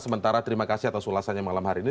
sementara terima kasih atas ulasannya malam hari ini